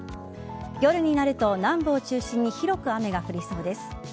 夜になると南部を中心に広く雨が降りそうです。